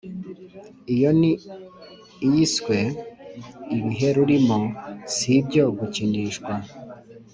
iyo ni iyiswe ‘ibihe rurimo si ibyo gukinishwa